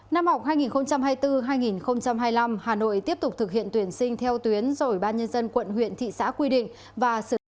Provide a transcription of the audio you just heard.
năm học hai nghìn hai mươi bốn hai nghìn hai mươi năm hà nội tiếp tục thực hiện tuyển sinh theo tuyến rồi ban nhân dân quận huyện thị xã quy định và sở thông tin